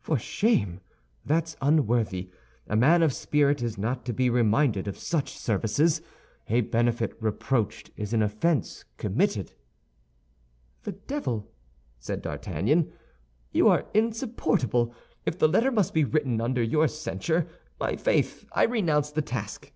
_ For shame! that's unworthy. A man of spirit is not to be reminded of such services. A benefit reproached is an offense committed." "The devil!" said D'Artagnan, "you are insupportable. If the letter must be written under your censure, my faith, I renounce the task."